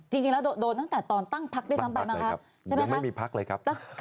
จริงแล้วโดนตั้งแต่ตอนตั้งพักด้วยซ้ำแบบนั้นค่ะ